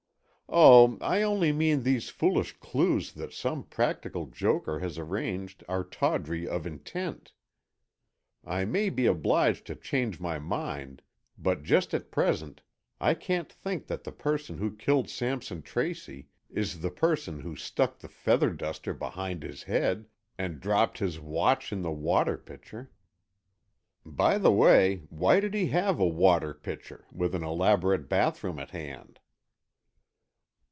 "Oh, I only mean these foolish clues that some practical joker has arranged are tawdry of intent. I may be obliged to change my mind, but just at present, I can't think that the person who killed Sampson Tracy is the person who stuck the feather duster behind his head and dropped his watch in the water pitcher. By the way, why did he have a water pitcher, with an elaborate bathroom at hand?"